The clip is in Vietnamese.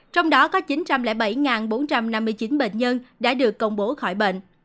trong đó có chín trăm linh bảy bốn trăm năm mươi chín bệnh nhân đã được công bố khỏi bệnh